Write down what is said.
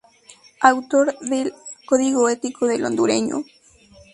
Autor del ""Código Ético del Hondureño"".